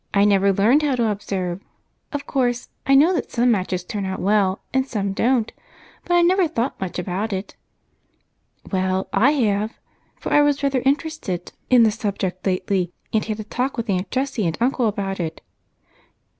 "I never learned how to observe. Of course I know that some matches turn out well and some don't, but I never thought much about it." "Well, I have, for I was rather interested in the subject lately and had a talk with Aunt Jessie and Uncle about it."